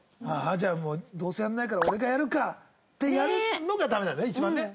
じゃあもうどうせやらないから俺がやるかってやるのがダメなんだよね一番ね。